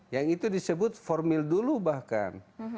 yang itu disebut formil dulu bahkan